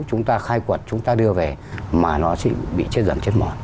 chúng ta khai quật chúng ta đưa về mà nó sẽ bị chết dần chết mòn